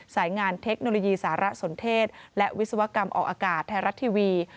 สายงานเทคโนโลยีสารสนเทศและวิศวกรรมออกอากาศไทยรัฐทีวี